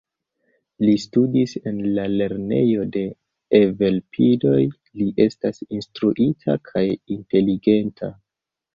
Li studis en la lernejo de «Evelpidoj», li estas instruita kaj inteligenta.